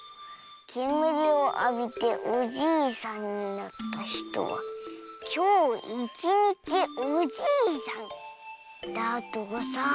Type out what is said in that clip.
けむりをあびておじいさんになったひとはきょういちにちおじいさん」だとさ。